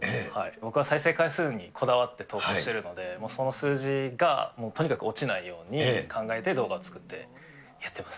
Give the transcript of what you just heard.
僕は再生回数にこだわって投稿してるので、その数字がとにかく落ちないように考えて動画を作ってやってます。